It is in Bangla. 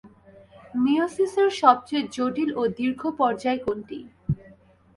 মিয়োসিসের সবচেয়ে জটিল ও দীর্ঘ পর্যায় কোনটি?